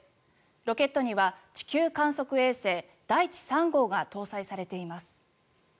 ロケットには地球観測衛星だいち３号が搭載されています。